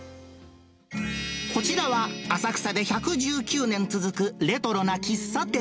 こちらは、浅草で１１９年続くレトロな喫茶店。